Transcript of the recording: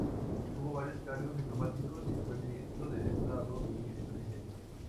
Tuvo varios cargos diplomáticos y fue Ministro de Estado y vicepresidente.